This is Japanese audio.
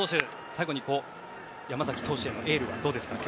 最後に、山崎投手へのエールはどうですか？